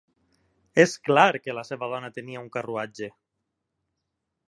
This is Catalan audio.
És clar que la seva dona tenia un carruatge!